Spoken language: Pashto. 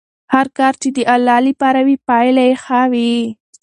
هر کار چې د الله لپاره وي پایله یې ښه وي.